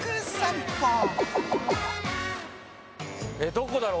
どこだろう？